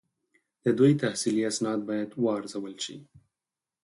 د دوی تحصیلي اسناد باید وارزول شي.